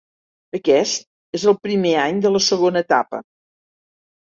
Aquest és el primer any de la segona etapa.